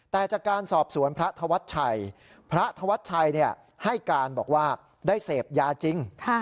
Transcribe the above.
แต่จากการสอบสวนพระธวัชชัยพระธวัชชัยให้การบอกว่าได้เสพยาจริง